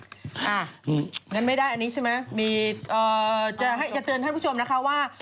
อย่างนั้นไม่ได้อันนี้ใช่ไหมมีจะเตือนท่านผู้ชมนะคะว่า